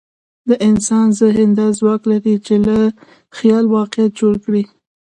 د انسان ذهن دا ځواک لري، چې له خیال واقعیت جوړ کړي.